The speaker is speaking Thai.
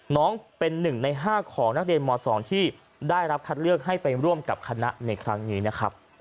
น้องเป็น๑ใน๕ของนักเรียนม๒ที่ได้รับคัดเลือกให้ไปร่วมกับคณะในครั้งนี้นะครับ